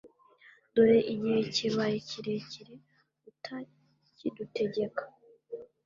dore igihe kibaye kirekire utakidutegeka,